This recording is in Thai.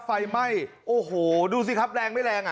ไฟไหม้โอ้โหดูสิครับแรงไม่แรงอ่ะ